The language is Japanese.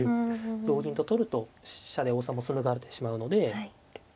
同銀と取ると飛車で王様も素抜かれてしまうので。